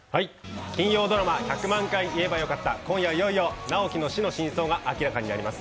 金曜ドラマ「１００万回言えばよかった」、今夜、いよいよ直木の死の真相が明らかになります。